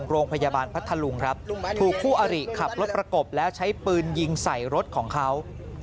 พัทธลุงครับถูกคู่อริขับรถประกบแล้วใช้ปืนยิงใส่รถของเขา